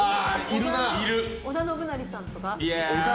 織田信成さんとか？